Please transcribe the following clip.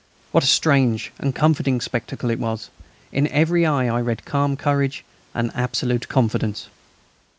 What a strange and comforting spectacle it was! In every eye I read calm courage and absolute confidence.